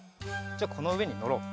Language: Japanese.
じゃあこのうえにのろう。